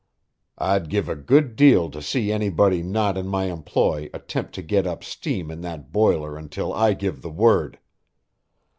I'd give a good deal to see anybody not in my employ attempt to get up steam in that boiler until I give the word.